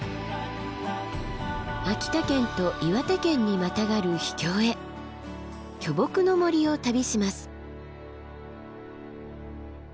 秋田県と岩手県にまたがる秘境へ巨木の森を旅します。